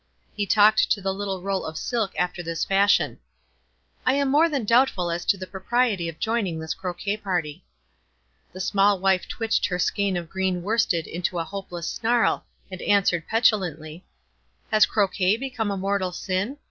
He talked to the little roll of silk after this fashion : 26 WISE AND OTHERWISE. "I am more than doubtful as to the propriety of joining this croquet party." The small wife twitched her skein of green worsted into a hopeless snarl, and auswered, petulantly, — "Has croquet become a mortal sin?